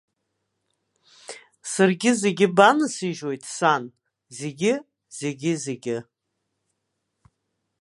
Саргьы зегьы банасыжьуеит, сан, зегьы зегьы, зегьы!